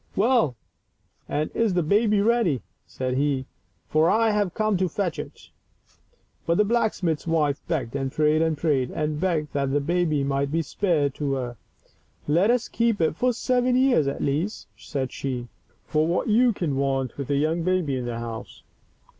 " Well, and is the baby ready? said he, "for I have come to fetch it." But the blacksmith's wife begged and prayed and prayed and begged that the baby might be spared to her. " Let us keep it for seven years at least,'* said she, " for what can you want with a young baby in the house?